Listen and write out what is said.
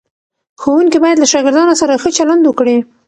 ښوونکي باید له شاګردانو سره ښه چلند وکړي.